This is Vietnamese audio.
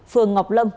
phường ngọc lâm